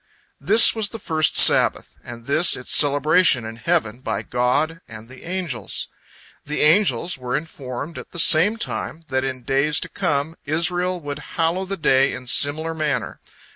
" This was the first Sabbath, and this its celebration in heaven by God and the angels. The angels were informed at the same time that in days to come Israel would hallow the day in similar manner.